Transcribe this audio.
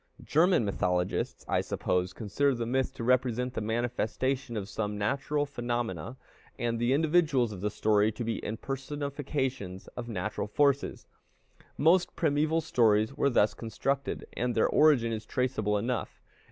German mythologists, I suppose, consider the myth to represent the manifestation of some natural phenomena, and the individuals of the story to be impersonifications of natural forces. Most primeval stories were thus constructed, and their origin is traceable enough.